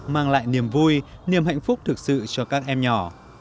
mang lại niềm vui niềm hạnh phúc thực sự cho các em nhỏ